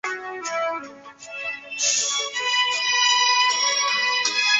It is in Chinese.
拉代斯特鲁斯。